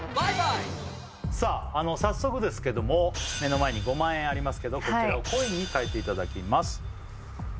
さあ早速ですけども目の前に５万円ありますけどこちらをコインに替えていただきます